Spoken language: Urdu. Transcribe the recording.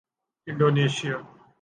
انڈونیثیائی